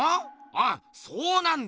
あっそうなんだよ！